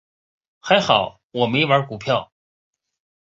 还好我没玩股票。